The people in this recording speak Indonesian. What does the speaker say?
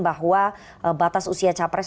bahwa batas usia capres